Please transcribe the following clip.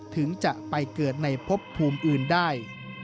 ถึงจะไปเกิดในพบภูมิอื่นได้